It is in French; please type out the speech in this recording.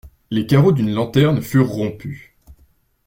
Les carreaux d'une lanterne furent rompus.